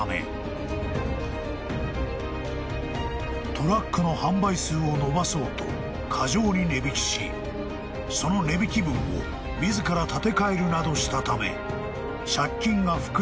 ［トラックの販売数を伸ばそうと過剰に値引きしその値引き分を自ら立て替えるなどしたため借金が膨らんだ末の犯行だった］